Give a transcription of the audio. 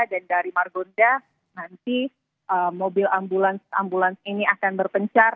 dan dari margonda nanti mobil ambulans ambulans ini akan berpencang